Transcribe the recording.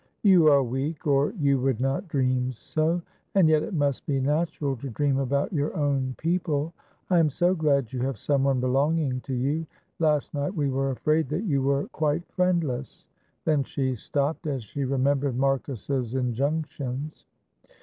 "You are weak, or you would not dream so, and yet it must be natural to dream about your own people. I am so glad you have someone belonging to you; last night we were afraid that you were quite friendless," then she stopped as she remembered Marcus's injunctions.